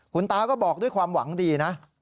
คุณตาก็บอกด้วยความหวังดีนะ